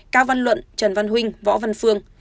cao văn luận trần văn huynh võ văn phương